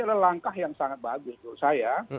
ada langkah yang sangat bagus menurut saya